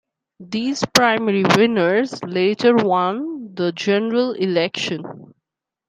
These primary winners later won the general election.